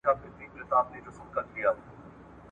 نه مي ږغ له ستوني وزي نه د چا غوږ ته رسېږم `